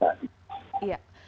lalu pak jaidi selain indonesia